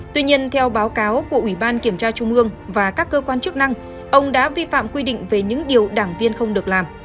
tuy nhiên theo báo cáo của ủy ban kiểm tra trung ương và các cơ quan chức năng ông đã vi phạm quy định về những điều đảng viên không được làm